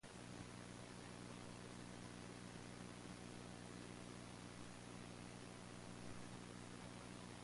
Similarly, the town's accommodation providers have a strongly seasonal trade.